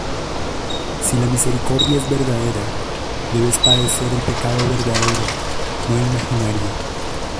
Si la misericordia es verdadera, debes padecer el pecado verdadero, no imaginario.